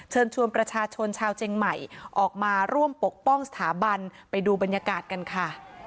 เชิญชวนประชาชนชาวเจียงใหม่ออกมาร่วมปกป้องสถาบันไปดูบรรยากาศกันค่ะ